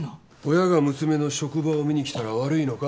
親が娘の職場を見にきたら悪いのか？